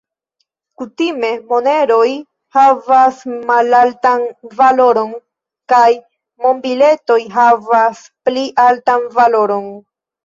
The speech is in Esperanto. Kutime, moneroj havas malaltan valoron kaj monbiletoj havas pli altan valoron.